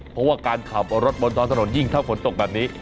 เพราะว่าการขับรถบนท้องถนนยิ่งถ้าฝนตกแบบนี้